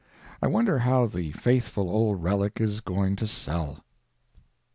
I wonder how the faithful old relic is going to sell?